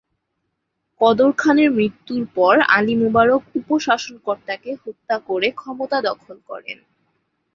কদর খানের মৃত্যুর পর আলী মুবারক উপ-শাসনকর্তাকে হত্যা করে ক্ষমতা দখল করেন।